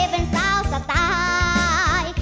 เป็นสาวสตาย